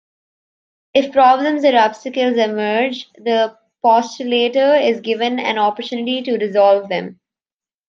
If problems or obstacles emerge, the postulator is given an opportunity to resolve them.